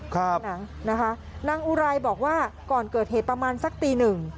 หนังนะคะนางอุไรบอกว่าก่อนเกิดเหตุประมาณสักตีหนึ่ง